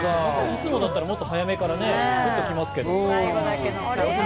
いつもだったらもっと早めからグッときますけど。